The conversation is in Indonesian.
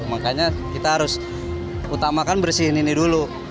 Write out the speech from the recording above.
makanya kita harus utamakan bersihin ini dulu